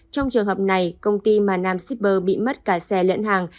trong trường hợp này công ty mà nam shipper bị mất cả xe lẫn hàng